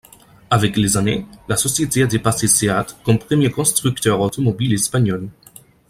Avec les années, la société a dépassé Seat comme premier constructeur automobile espagnol.